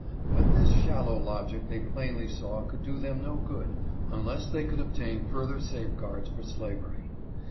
But this shallow logic they plainly saw could do them no good unless they could obtain further safe guards for slavery.